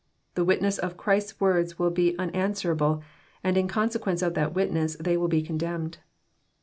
The witness of Christ's words will be un answerable, and in consequence of that witness they will bo condemned.